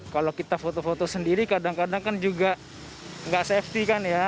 kalau kita foto foto sendiri kadang kadang kan juga nggak safety kan ya